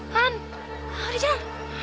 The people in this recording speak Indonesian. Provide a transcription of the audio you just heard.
han udah jalan